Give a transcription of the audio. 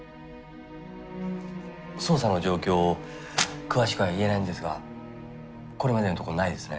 捜査の状況を詳しくは言えないんですがこれまでのところないですね。